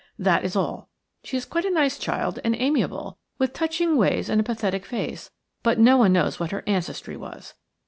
That is all. She is quite a nice child, and amiable, with touching ways and a pathetic face; but no one knows what her ancestry was.